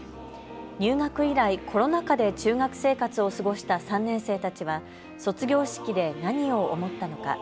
入学以来、コロナ禍で中学生活を過ごした３年生たちは卒業式で何を思ったのか。